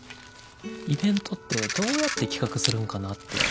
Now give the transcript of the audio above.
イベントってどうやって企画するんかなって。